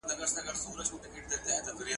دا وده کليسا کنټروله کړه.